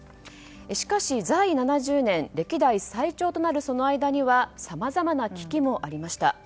しかし在位７０年歴代最長となるその間にはさまざまな危機もありました。